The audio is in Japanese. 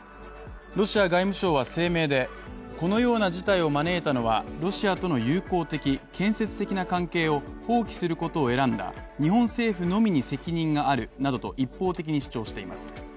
ロシア外務省は声明で、このような事態を招いたのはロシアとの友好的、建設的な関係を放棄することを選んだ日本政府のみに責任があるなどと一方的に主張しています。